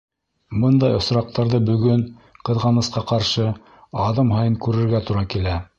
Бындай осраҡтарҙы бөгөн, ҡыҙғанысҡа ҡаршы, аҙым һайын күрергә тура килә.